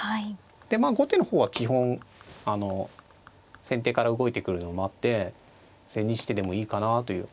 でまあ後手の方は基本あの先手から動いてくるのを待って千日手でもいいかなという。